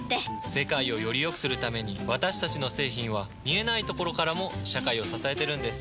世界をよりよくするために私たちの製品は見えないところからも社会を支えてるんです。